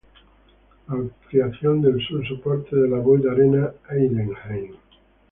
Ampliación del Sur soporte de la Voith-Arena, Heidenheim.